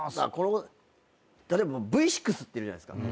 例えばＶ６っているじゃないですか。